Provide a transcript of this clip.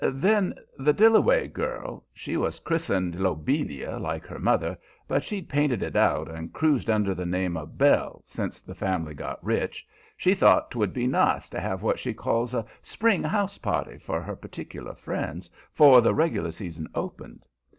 Then the Dillaway girl she was christened Lobelia, like her mother, but she'd painted it out and cruised under the name of Belle since the family got rich she thought 'twould be nice to have what she called a "spring house party" for her particular friends 'fore the regular season opened.